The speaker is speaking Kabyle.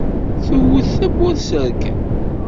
Twet tawwurt s rrkel.